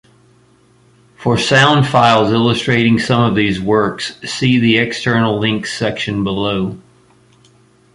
For sound files illustrating some of these works, see the "External links" section below.